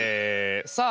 さあ